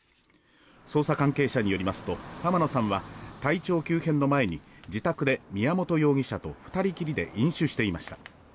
捜査関係者によりますと浜野さんは体長急変の前に自宅で宮本容疑者と２人きりで飲酒していました。